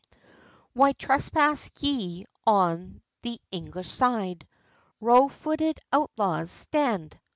"Why trespass ye on the English side? Row footed outlaws, stand!"